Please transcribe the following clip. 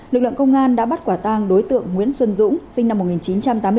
lực lượng công an đã bắt quả tang đối tượng nguyễn xuân dũng sinh năm một nghìn chín trăm tám mươi bốn